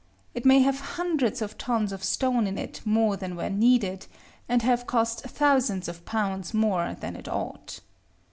It may have hundreds of tons of stone in it more than were needed, and have cost thousands of pounds more than it ought.